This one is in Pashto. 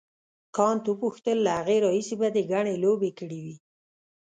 کانت وپوښتل له هغه راهیسې به دې ګڼې لوبې کړې وي.